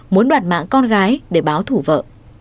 muốn đoạt mãn con gái để báo thủ vợ